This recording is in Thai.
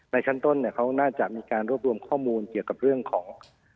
ชั้นต้นเขาน่าจะมีการรวบรวมข้อมูลเกี่ยวกับเรื่องของ